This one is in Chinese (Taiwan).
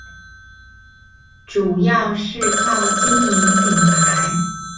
主要是靠經營品牌